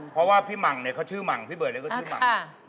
เพราะว่าพี่หมังเนี่ยเขาชื่อหมังพี่เบิร์ดเนี่ยก็ชื่อหมั่ง